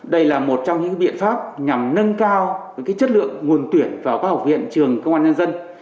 đây là một trong những biện pháp nhằm nâng cao chất lượng nguồn tuyển vào các học viện trường công an nhân dân